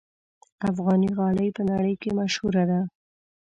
افغاني غالۍ په نړۍ کې مشهوره ده.